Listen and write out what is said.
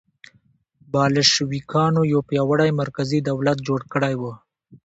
بلشویکانو یو پیاوړی مرکزي دولت جوړ کړی و.